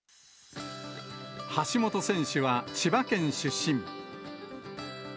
橋本選手は千葉県出身。